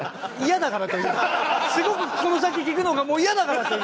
すごくこの先聞くのがもう嫌だからという。